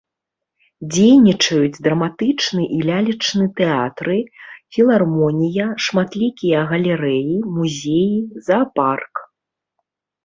Дзейнічаюць драматычны і лялечны тэатры, філармонія, шматлікія галерэі, музеі, заапарк.